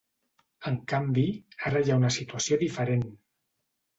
En canvi, ara hi ha una situació diferent.